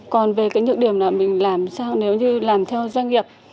còn về cái nhược điểm là mình làm sao nếu như làm theo doanh nghiệp